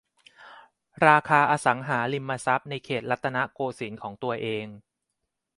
ราคาอสังหาริมทรัพย์ในเขตรัตนโกสินทร์ของตัวเอง